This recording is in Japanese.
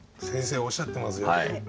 先生おっしゃってますよ。